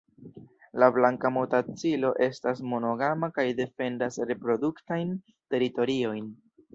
La Blanka motacilo estas monogama kaj defendas reproduktajn teritoriojn.